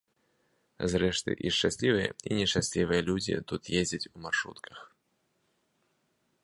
Зрэшты, і шчаслівыя, і нешчаслівыя людзі тут ездзяць у маршрутках.